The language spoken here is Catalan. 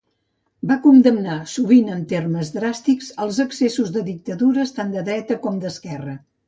Va condemnar, sovint en termes dràstics, els excessos de dictadures tant de dreta com d'esquerra.